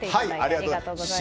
ありがとうございます。